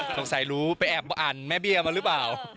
สงสัยรู้ไปแอบอ่านแม่เบี้ยมาหรือเปล่า